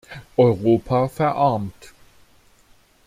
Europa verarmt.